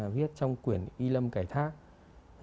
viết trong quyển y lâm cải thác